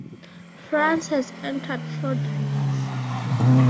France has entered four divers.